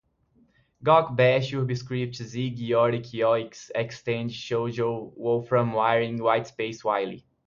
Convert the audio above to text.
gawk, bash, urbiscript, zig, yorick, yoix, xtend, xojo, wolfram, wiring, whitespace, whiley